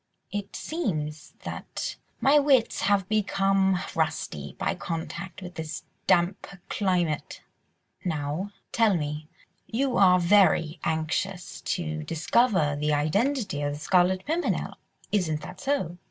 It seems that my wits have become rusty by contact with this damp climate. Now, tell me, you are very anxious to discover the identity of the Scarlet Pimpernel, isn't that so?"